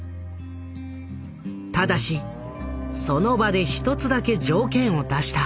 ただしその場で一つだけ条件を出した。